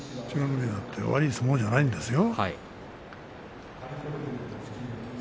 海だって悪い相撲じゃないんですよ。